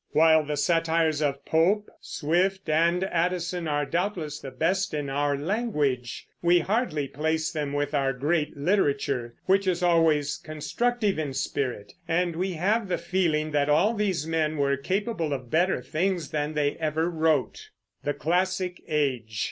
While the satires of Pope, Swift, and Addison are doubtless the best in our language, we hardly place them with our great literature, which is always constructive in spirit; and we have the feeling that all these men were capable of better things than they ever wrote. THE CLASSIC AGE.